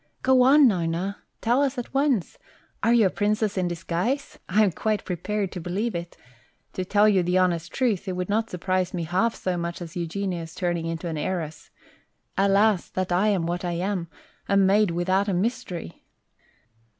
"Go on, Nona, tell us at once. Are you a princess in disguise? I am quite prepared to believe it. To tell you the honest truth, it would not surprise me half so much as Eugenia's turning into an heiress. Alas, that I am what I am, a maid without a mystery!"